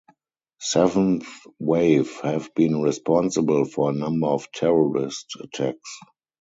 Seventh Wave have been responsible for a number of terrorist attacks.